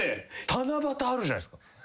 七夕あるじゃないっすか。